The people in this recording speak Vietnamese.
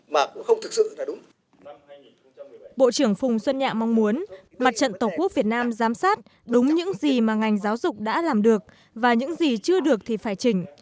bộ trưởng phùng xuân nhạ mong muốn mặt trận tổ quốc việt nam giám sát đúng những gì mà ngành giáo dục đã làm được và những gì chưa được thì phải chỉnh